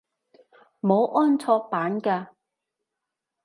冇安卓版嘅？